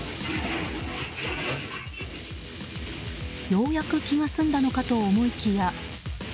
ようやく気が済んだのかと思いきや。